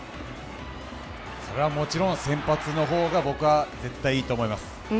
それはもちろん先発のほうが僕は絶対いいと思います。